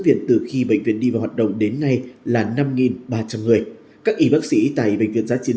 viện từ khi bệnh viện đi vào hoạt động đến nay là năm ba trăm linh người các y bác sĩ tại bệnh viện giã chiến